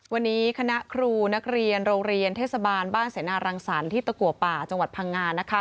วันนี้คณะครูนักเรียนโรงเรียนเทศบาลบ้านเสนารังสรรค์ที่ตะกัวป่าจังหวัดพังงานะคะ